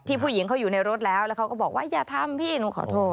ผู้หญิงเขาอยู่ในรถแล้วแล้วเขาก็บอกว่าอย่าทำพี่หนูขอโทษ